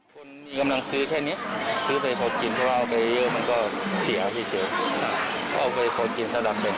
คนมีกำลังซื้อแค่นี้ซื้อไปพอกินเพราะว่าเอาไปเยอะมันก็เสียเฉยเอาไปขอกินซะดำไป